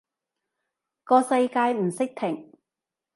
個世界唔識停